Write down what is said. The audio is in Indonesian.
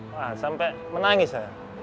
wah sampai menangis saya